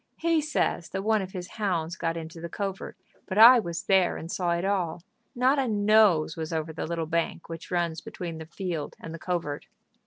"He says that one of his hounds got into the covert, but I was there and saw it all. Not a nose was over the little bank which runs between the field and the covert."